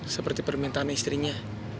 seperti permintaan istrinya